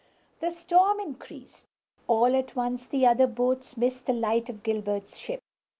The storm increased. All at once the other boats missed the light of Gilbert's ship!